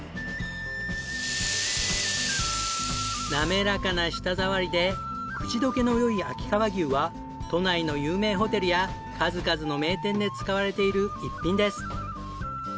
なめらかな舌触りで口溶けの良い秋川牛は都内の有名ホテルや数々の名店で使われている逸品です。